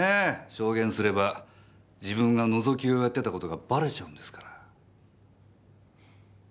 証言すれば自分がのぞきをやってた事がバレちゃうんですから。